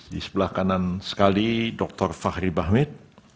di sebelah kanan sekali dr fahri bahmit